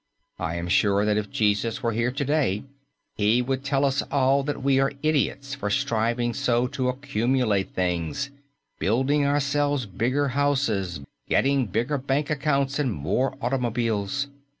I am sure that if Jesus were here to day, He would tell us all that we are idiots for striving so to accumulate things building ourselves bigger houses, getting bigger bank accounts and more automobiles.